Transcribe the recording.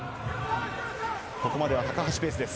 ここまで高橋ペースです。